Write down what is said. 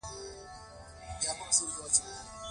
هغوی پر افغانستان واکمن شول.